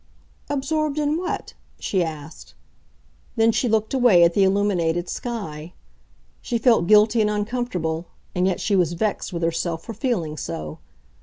"Absorbed in what?" she asked. Then she looked away at the illuminated sky. She felt guilty and uncomfortable, and yet she was vexed with herself for feeling so.